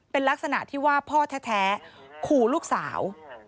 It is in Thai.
เป็นลักษณะที่ว่าพ่อแท้ขู่ลูกสาว